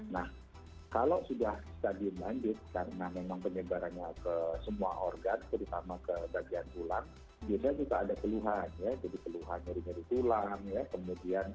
nah kalau sudah stadium lanjut karena memang penyebarannya ke semua organ terutama ke bagian tulang biasanya juga ada keluhan ya jadi keluhan dari bagian tulang ya kemudian sakit sakit di tulang